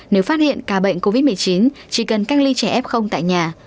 nếu phát hiện ca bệnh covid một mươi chín chỉ cần cách ly trẻ f tại nhà